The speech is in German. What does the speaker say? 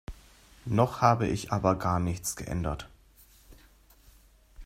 Noch habe ich aber gar nichts geändert.